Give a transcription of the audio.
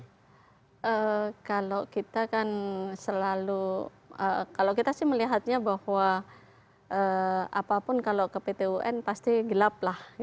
ya kalau kita kan selalu kalau kita sih melihatnya bahwa apapun kalau ke pt un pasti gelap lah